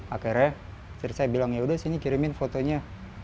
akhirnya istri saya bilang yaudah sini kirimin fotonya